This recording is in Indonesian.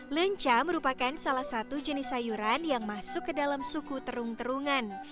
lenca merupakan salah satu jenis sayuran yang masuk ke dalam suku terung terungan